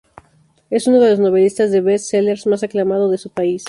Es uno de los novelistas de best-sellers más aclamado de su país.